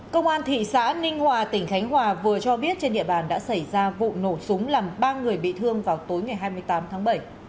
công an thị xã ninh hòa tỉnh khánh hòa vừa cho biết trên địa bàn đã xảy ra vụ nổ súng làm ba người bị thương vào tối ngày hai mươi tám tháng bảy